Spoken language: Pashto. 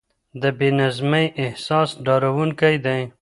د بې نظمۍ احساس ډارونکی دی.